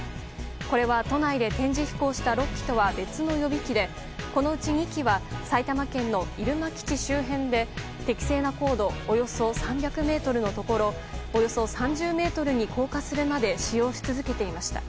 これは都内で展示飛行した６機とは別の予備機でこのうち２機は埼玉県の入間基地周辺で適正な高度およそ３００ｍのところおよそ３０ｍに降下するまで使用し続けていました。